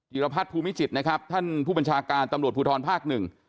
บิเอลพัดภูมิสิตท่านผู้บัญชาการตำรวจภูทรภาค๑